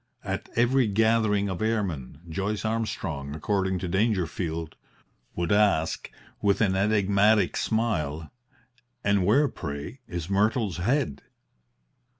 At every gathering of airmen, Joyce Armstrong, according to Dangerfield, would ask, with an enigmatic smile: "And where, pray, is Myrtle's head?"